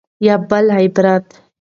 یا په بل عبارت